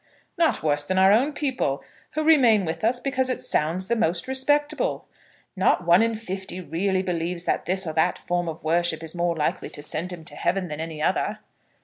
"Not worse than our own people, who remain with us because it sounds the most respectable. Not one in fifty really believes that this or that form of worship is more likely to send him to heaven than any other."